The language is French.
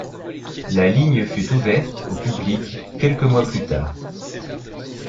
La ligne fut ouverte au public quelques mois plus tard.